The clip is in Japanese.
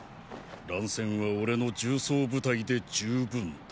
乱戦は俺の重装部隊で十分だ。